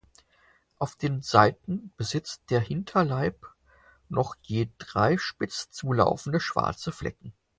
Auf den Seiten besitzt der Hinterleib noch je drei spitz zulaufende schwarze Flecken.